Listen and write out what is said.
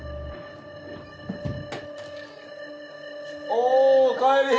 おおおかえり。